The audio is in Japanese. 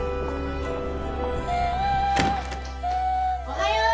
おはよう。